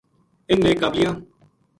اِن نے قابلیاں